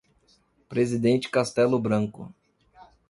Presidente Castello Branco